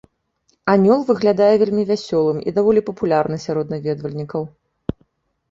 Анёл выглядае вельмі вясёлым і даволі папулярны сярод наведвальнікаў.